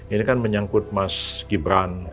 ini kan menyangkut mas gibran